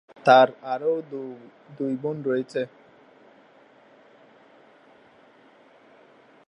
তার আরও দুই বোন রয়েছে।